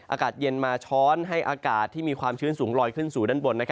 อากาศเย็นมาช้อนให้อากาศที่มีความชื้นสูงลอยขึ้นสู่ด้านบน